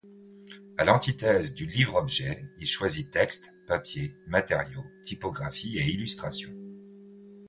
A l'antithèse du livre-objet, il choisit textes, papiers, matériaux, typographie et illustrations.